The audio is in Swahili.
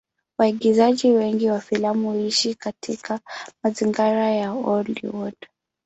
Waigizaji wengi wa filamu huishi katika mazingira ya Hollywood.